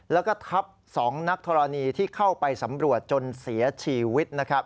แล้วก็ทับ๒นักธรณีที่เข้าไปสำรวจจนเสียชีวิตนะครับ